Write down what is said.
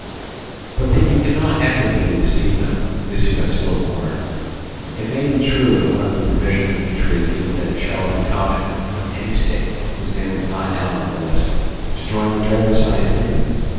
But that you cannot equitably receive them, this you have still to learn. It may be true that one of the provisions of the treaty is that it shall be competent for any state, whose name was not down on the list, to join whichever side it pleases.